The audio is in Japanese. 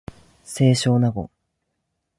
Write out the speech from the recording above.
清少納言